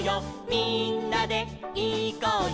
みんなでいこうよ」